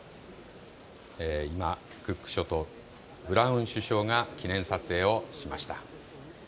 今、クック諸島、ブラウン首相が記念撮影をしました。